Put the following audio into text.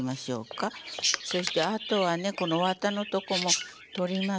そしてあとはねこのわたのとこも取ります。